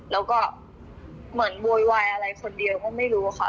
แล้วก็เหมือนโวยวายอะไรคนเดียวก็ไม่รู้ค่ะ